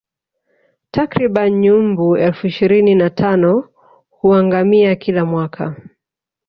Takribani nyumbu elfu ishirini na tano huangamia kila mwaka